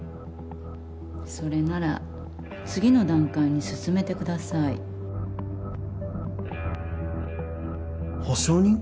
それなら次の段階に進めてください保証人？